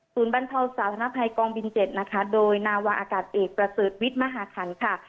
บรรเทาสาธารณภัยกองบิน๗นะคะโดยนาวาอากาศเอกประเสริฐวิทย์มหาขันค่ะ